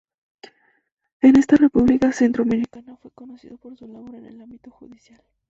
En esta república centroamericana, fue conocido por su labor en el ámbito judicial.